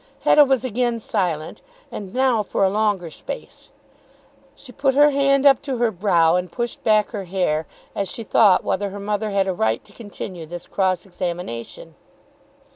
Hetta was again silent, and now for a longer space. She put her hand up to her brow and pushed back her hair as she thought whether her mother had a right to continue this cross examination.